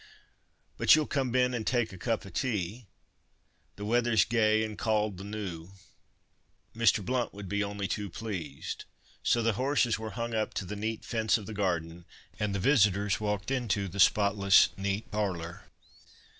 But you'll come ben and tak' a cup of tea? The weather's gey and cauld the noo." Mr. Blount would be only too pleased. So the horses were "hung up" to the neat fence of the garden, and the visitors walked into the spotless, neat parlour.